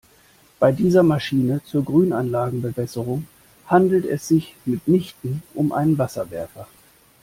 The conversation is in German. Bei dieser Maschine zur Grünanlagenbewässerung handelt es sich mitnichten um einen Wasserwerfer.